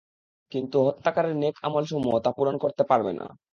কিন্তু হত্যাকারীর নেক আমলসমূহ তা পূরণ করতে পারবে না।